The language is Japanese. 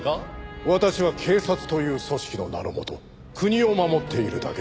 私は警察という組織の名のもと国を守っているだけだ。